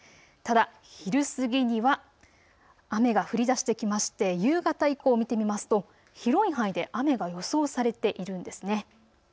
ただ、昼過ぎには雨が降りだしてきまして夕方以降を見てみますと広い範囲で雨が予想されているんです。